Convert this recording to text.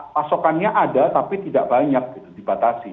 pasokannya ada tapi tidak banyak gitu dibatasi